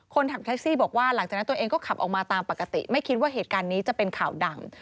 คนขับแท็กซี่บอกว่าหลังจากนั้นตัวเองก็ขับออกมาตามปกติไม่คิดว่าเหตุการณ์นี้จะเป็นข่าวดัง